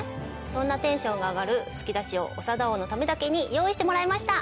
そんなテンションが上がる突き出しを長田王のためだけに用意してもらいました。